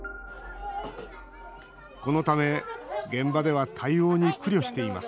このため、現場では対応に苦慮しています。